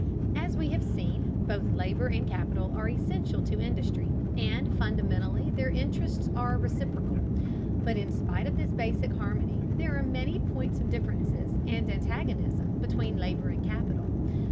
As we have seen, both labor and capital are essential to industry, and fundamentally their interests are reciprocal. But in spite of this basic harmony, there are many points of difference and antagonism between labor and capital.